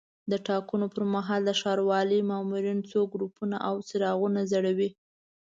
د ټاکنو پر مهال د ښاروالۍ مامورین څو ګروپونه او څراغونه ځړوي.